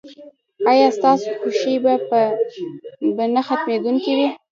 ایا ستاسو خوښي به نه ختمیدونکې وي؟